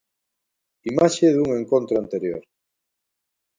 Imaxe dun encontro anterior.